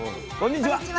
こんにちは。